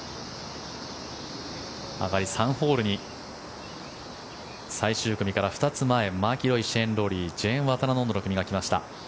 上がり３ホールに最終組から２つ前マキロイ、シェーン・ロウリージェーンワタナノンドの組が来ました。